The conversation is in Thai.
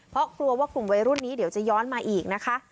เพราะกลัวว่ากลุ่มวัยรุ่นนี้เดี๋ยวจะย้อนมาอีกนะคะ